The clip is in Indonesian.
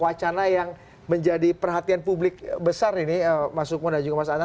wacana yang menjadi perhatian publik besar ini mas sukmon dan juga mas anang